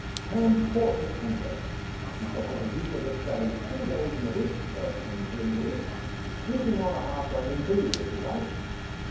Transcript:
Turn portrait painter. You shall have the use of this study three days in the week, for ten shillings a week sleeping on the hearth rug included, if you like.